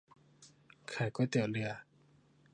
ขายก๋วยเตี๋ยวเรือ